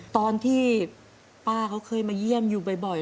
ตอนที่ป้าเขาเคยมาเยี่ยมอยู่บ่อย